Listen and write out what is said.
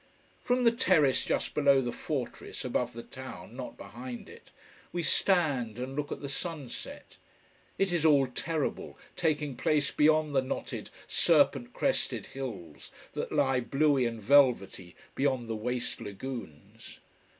From the terrace just below the fortress, above the town, not behind it, we stand and look at the sunset. It is all terrible, taking place beyond the knotted, serpent crested hills that lie, bluey and velvety, beyond the waste lagoons.